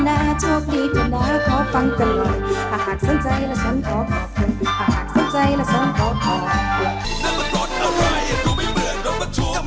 กลับเข้าสู่รายการรถมหาสนุกค่ะและนี่คือช่วงจับผิดมหาสนุก